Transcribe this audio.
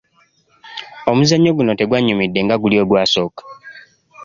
Omuzannyo guno tegwannyumidde nga guli ogwasooka.